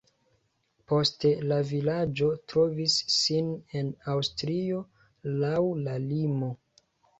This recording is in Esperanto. Poste la vilaĝo trovis sin en Aŭstrio, laŭ la limo.